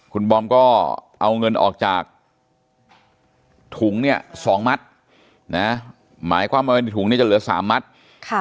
คุณบอมก็เอาเงินออกจากถุง๒มัตต์หมายความว่าถุงนี้จะเหลือ๓มัตต์